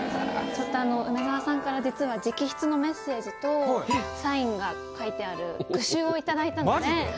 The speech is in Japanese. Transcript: そして梅沢さんから実は直筆のメッセージとサインが書いてある句集を頂いたので。